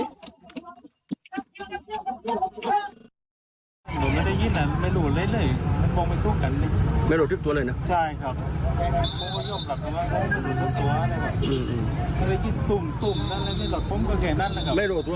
หนูไม่ได้ยินไม่รู้เลย